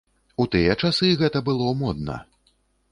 У тыя часы гэта было модна.